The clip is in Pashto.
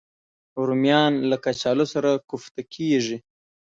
رومیان له کچالو سره کوفته کېږي